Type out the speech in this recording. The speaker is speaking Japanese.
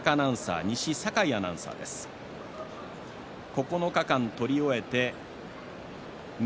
９日間、取り終えて翠